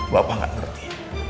bapak tidak mengerti